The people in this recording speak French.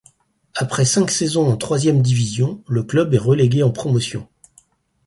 Après cinq saisons en troisième division, le club est relégué en Promotion.